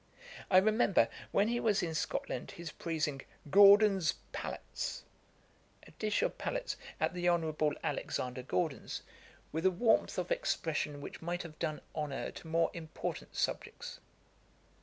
I remember, when he was in Scotland, his praising 'Gordon's palates', (a dish of palates at the Honourable Alexander Gordon's) with a warmth of expression which might have done honour to more important subjects.